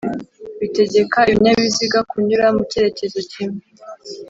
bitegeka ibinyabiziga kunyura mu cyerekezo kimwe